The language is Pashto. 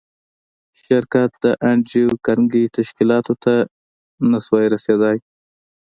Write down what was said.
شرکتونه د انډریو کارنګي تشکیلاتو ته نشوای رسېدای